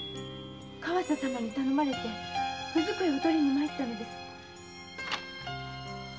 川瀬様に頼まれて文机を取りに参ったのです。